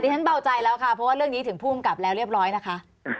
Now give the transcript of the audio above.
ฉันเบาใจแล้วค่ะเพราะว่าเรื่องนี้ถึงผู้กำกับแล้วเรียบร้อยนะคะ